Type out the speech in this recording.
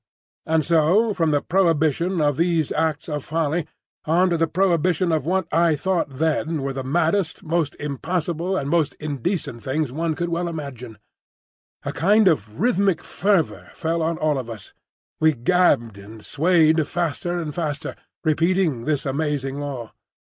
And so from the prohibition of these acts of folly, on to the prohibition of what I thought then were the maddest, most impossible, and most indecent things one could well imagine. A kind of rhythmic fervour fell on all of us; we gabbled and swayed faster and faster, repeating this amazing Law.